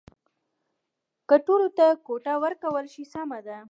که ټولو ته کوټه ورکولای شي سمه ده.